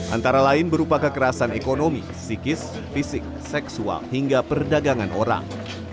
antara lain berupa kekerasan ekonomi psikis fisik seksual hingga perdagangan orang